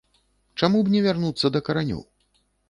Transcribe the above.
Чаму б не вярнуцца да каранёў.